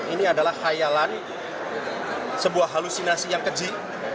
ini adalah khayalan sebuah halusinasi yang keji